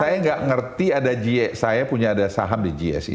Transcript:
saya nggak ngerti ada saya punya ada saham di gsi